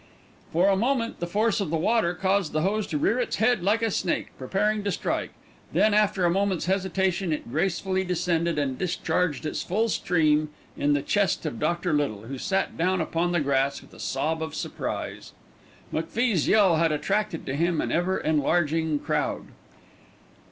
For a moment the force of the water caused the hose to rear its head like a snake preparing to strike, then after a moment's hesitation it gracefully descended, and discharged its stream full in the chest of Dr. Little, who sat down upon the grass with a sob of surprise. McFie's yell had attracted to him an ever enlarging crowd.